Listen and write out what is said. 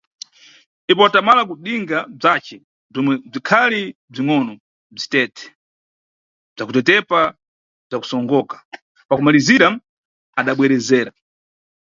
Ipo watamala kudinga bzace bzomwe bzikhali bzingʼono bzi tete, bzakutetepa bza kusongoka, pa kumalizira adabwerezera.